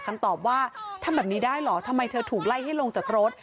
คำตอบว่าทำแบบนี้ได้เหรอทำไมเธอถูกไล่ให้ลงจากรถ